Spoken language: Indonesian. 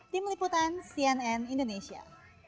tim liputan cnn indonesia